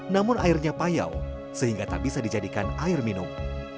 namun airnya payau sehingga tak bisa dijadikan air minum